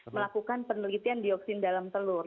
melakukan penelitian dioksin dalam telur